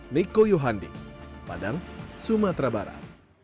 miko yohandi padang sumatera barat